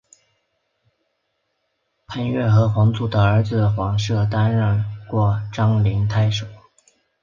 蒯越和黄祖的儿子黄射担任过章陵太守。